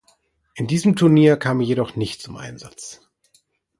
In diesem Turnier kam er jedoch nicht zum Einsatz.